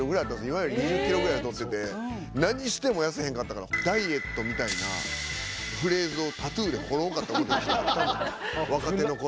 今より２０キロぐらい太ってて何しても痩せへんかったからダイエットみたいなフレーズをタトゥーで彫ろうかと思って若手の頃。